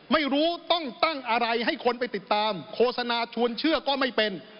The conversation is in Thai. ไม่รู้ต้องตั้งอะไรให้คนไปติดตามโฆษณาชวนเชื่อก็ไม่เป็น